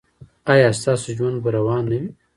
ایا ستاسو ژوند به روان نه وي؟